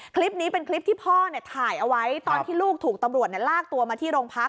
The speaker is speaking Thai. คลิปนี้เป็นคลิปที่พ่อถ่ายเอาไว้ตอนที่ลูกถูกตำรวจลากตัวมาที่โรงพัก